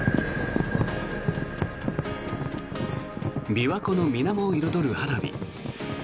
琵琶湖のみなもを彩る花火。